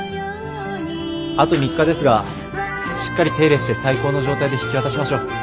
あと３日ですがしっかり手入れして最高の状態で引き渡しましょう。